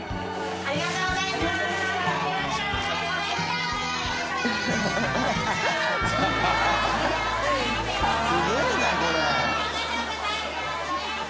ありがとうございます。